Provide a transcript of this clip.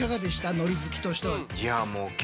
海苔好きとしては。